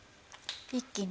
一気に。